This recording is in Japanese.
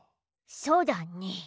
そうだね。